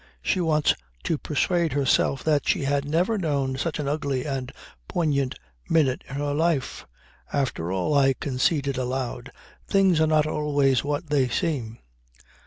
She wants to persuade herself that she had never known such an ugly and poignant minute in her life. "After all," I conceded aloud, "things are not always what they seem."